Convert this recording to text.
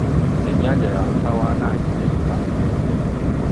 Ennyanja ya mutawaana era etta